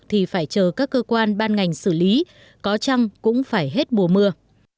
thì phải chờ các cơ quan ban ngành xử lý có chăng cũng phải hết mùa mưa